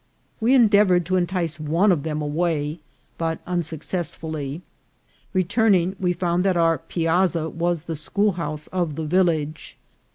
We endeavoured to entice one of them away, but un successfully. Returning, we found that our piazza was the schoolhouse of the village.